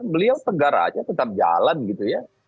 beliau tegar aja tetap jalan gitu ya